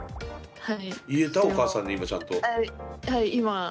はい。